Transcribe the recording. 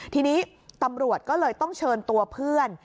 ทีนี้ตำรวจก็เลยต้องเชิญตัวเพื่อน